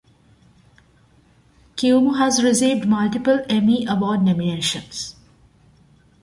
Cuomo has received multiple Emmy Award nominations.